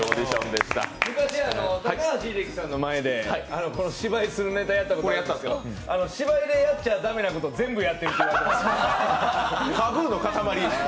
昔、高橋英樹さんの前でこの芝居するネタやったことあるんですけど、芝居でやっちゃだめなこと全部やってるって言われてました。